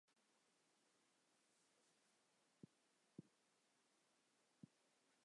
该州各地居民都对没有充分时间做准备感到不满。